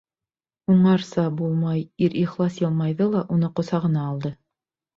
Уңарса булмай ир ихлас йылмайҙы ла уны ҡосағына алды.